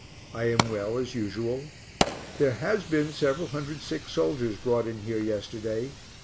I am well as usual. There has been several hundred sick soldiers brought in here yesterday.